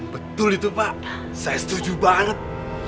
betul itu pak saya setuju banget